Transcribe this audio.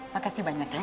makasih banyak ya